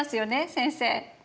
先生。